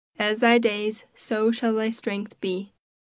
"As thy days, so shall thy strength be."